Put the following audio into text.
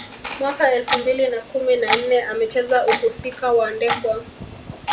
Mwaka elfu mbili na kumi na nne amecheza uhusika wa Ndekwa